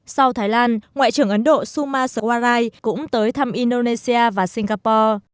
sau thái lan ngoại trưởng ấn độ suma swarai cũng tới thăm indonesia và singapore